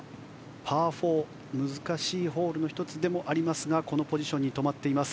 パー４、難しいホールの１つでもありますがこのポジションに止まっています。